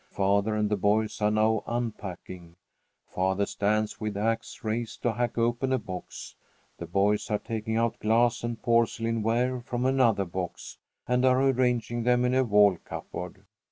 Father and the boys are now unpacking. Father stands with axe raised to hack open a box. The boys are taking out glass and porcelain ware from another box, and are arranging them in a wall cupboard.